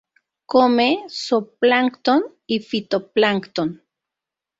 Come zooplancton y fitoplancton.